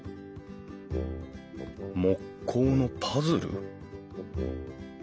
木工のパズル？